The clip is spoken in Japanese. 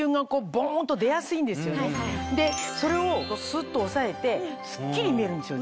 でそれをスッとおさえてスッキリ見えるんですよ